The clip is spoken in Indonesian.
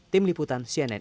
tim liputan cnni